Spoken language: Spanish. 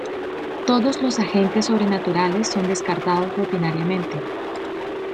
Todos los agentes sobrenaturales son descartados rutinariamente.